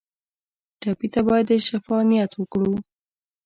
ټپي ته باید د شفا نیت وکړو.